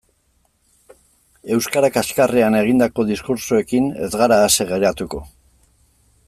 Euskara kaxkarrean egindako diskurtsoekin ez gara ase geratuko.